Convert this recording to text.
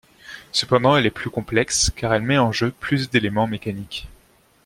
Cependant, elle est plus complexe, car elle met en jeu plus d'éléments mécaniques.